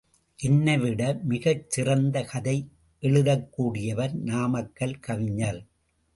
என்னைவிட மிகச்சிறந்த கதை எழுதக்கூடியவர் நாமக்கல் கவிஞர்.